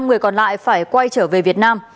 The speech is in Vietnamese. năm người còn lại phải quay trở về việt nam